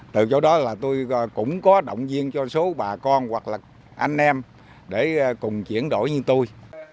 từ chỗ đó là tôi cũng có động viên cho số bà con hoặc là anh em để cùng chuyển đổi như tôi